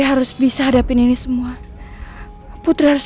harus bisa hadapin ini semua putri harus